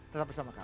tetap bersama kami